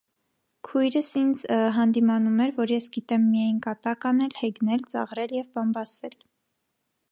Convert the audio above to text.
Քույրս ինձ հանդիմանում էր, որ ես գիտեմ միայն կատակ անել, հեգնել, ծաղրել և բամբասել.